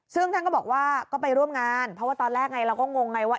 ซึ่งท่านก็บอกว่าก็ไปร่วมงานเพราะว่าตอนแรกไงเราก็งงไงว่า